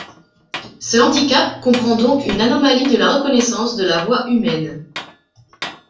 Ce handicap comprend donc une anomalie de la reconnaissance de la voix humaine.